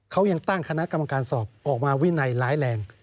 เขายังตั้งคณะกรรมการสอบออกมาวินัยร้ายแรง